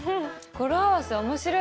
語呂合わせ面白いね。